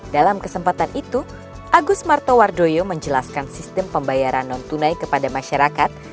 dalam kesempatan itu agus martowardoyo menjelaskan sistem pembayaran non tunai kepada masyarakat